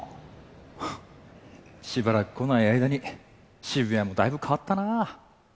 フッしばらく来ない間に渋谷もだいぶ変わったなぁ。